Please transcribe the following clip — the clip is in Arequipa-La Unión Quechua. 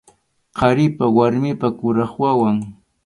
Qharipa warmipa kuraq wawan.